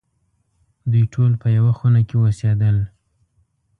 دوی ټول په یوه خونه کې اوسېدل.